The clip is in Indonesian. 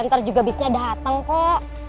ntar juga bisnya datang kok